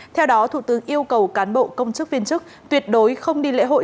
theo đó thủ tướng yêu cầu cán bộ công chức viên chức tuyệt đối không đi lễ hội